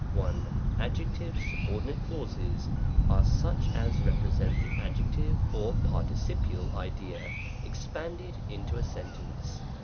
1. Adjective subordinate clauses are such as repre sent the adjective or participial idea, expanded into a sentence.